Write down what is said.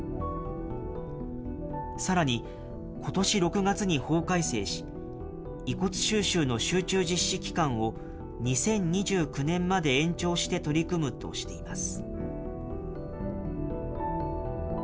さらに、ことし６月に法改正し、遺骨収集の集中実施期間を２０２９年まで延長して取り組むとしています。